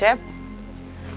pembangunan di jakarta